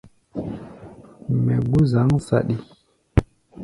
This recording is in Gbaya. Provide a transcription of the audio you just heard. Mɛ gbó zǎŋ saɗi.